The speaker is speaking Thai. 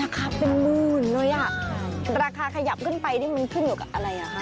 เป็นหมื่นเลยอ่ะราคาขยับขึ้นไปนี่มันขึ้นอยู่กับอะไรอ่ะคะ